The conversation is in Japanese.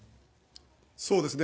そうですね。